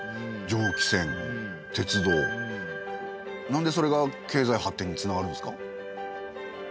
なんでそれが経済発展につながるんですか？